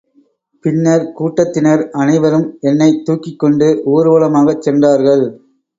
பின்னர் கூட்டத்தினர் அனைவரும் என்னைத் தூக்கிக் கொண்டு ஊர்வலமாகச் சென்றார்கள்.